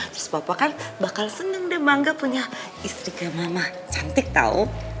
terus papa kan bakal seneng deh mangga punya istri kayak mama cantik tau